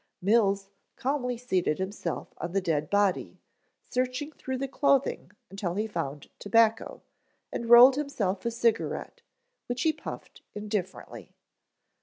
Mills calmly seated himself on the dead body, searched through the clothing until he found tobacco, and rolled himself a cigarette which he puffed indifferently.